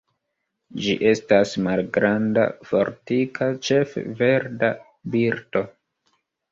Ĝi estas malgranda, fortika, ĉefe verda birdo.